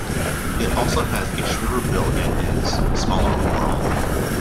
It also has a shorter bill and is smaller overall.